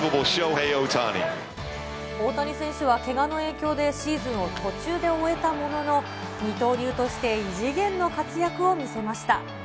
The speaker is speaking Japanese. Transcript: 大谷選手はけがの影響でシーズンを途中で終えたものの、二刀流として異次元の活躍を見せました。